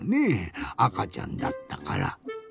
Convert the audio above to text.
あかちゃんだったから。